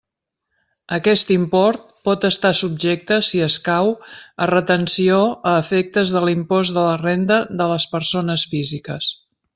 Aquest import pot estar subjecte, si escau, a retenció a efectes de l'impost de la renda de les persones físiques.